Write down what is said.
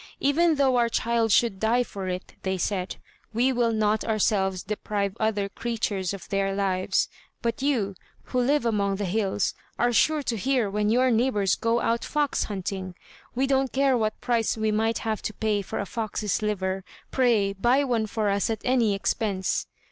"Even though our child should die for it," they said, "we will not ourselves deprive other creatures of their lives; but you, who live among the hills, are sure to hear when your neighbours go out fox hunting. We don't care what price we might have to pay for a fox's liver; pray, buy one for us at any expense."